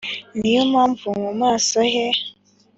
ni yo mpamvu mu maso ye